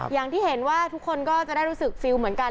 อย่างที่เห็นว่าทุกคนก็จะได้รู้สึกฟิลเหมือนกัน